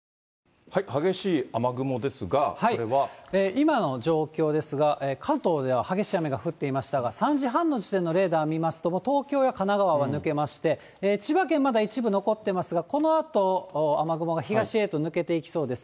今の状況ですが、関東では激しい雨が降っていましたが、３時半の時点のレーダー見ますと、もう東京や神奈川は抜けまして、千葉県、まだ一部残っていますが、このあと雨雲が東へと抜けていきそうです。